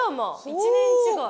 １年違い。